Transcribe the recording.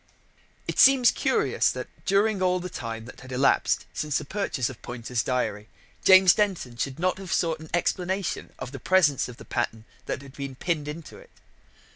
It seems curious that, during all the time that had elapsed since the purchase of Poynter's diary, James Denton should not have sought an explanation of the presence of the pattern that had been pinned into it.